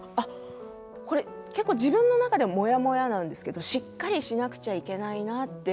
これ結構自分の中ではもやもやなんですけれどもしっかりしなくちゃいけないなって。